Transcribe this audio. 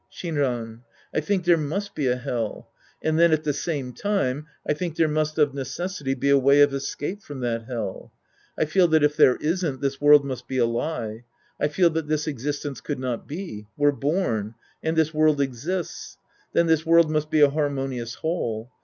Shinran. I think there must be a Hell. And then, at the same time, I ihink there must of neces sity be a way of escape from that Hell. I feel that if there isn't, this ^\'orId must be a lie. I feel that this existence could not be. We're born. And this world exists. Then, this world must be a harmoni ous whole.